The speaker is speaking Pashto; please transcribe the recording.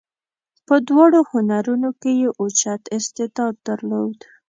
په دواړو هنرونو کې یې اوچت استعداد درلود.